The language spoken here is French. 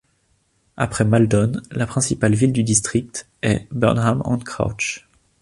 Après Maldon, la principale ville du district est Burnham-on-Crouch.